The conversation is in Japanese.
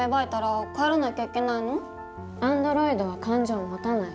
アンドロイドは感情を持たない。